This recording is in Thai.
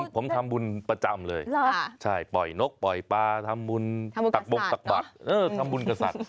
ผมทำบุญประจำเลยใช่ปล่อยนกปล่อยปลาทำบุญตักบงตักบัตรทำบุญกษัตริย์